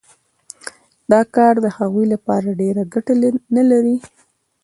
دا کار د هغوی لپاره ډېره ګټه نلري